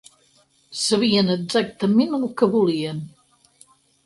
Sabien exactament el que volien.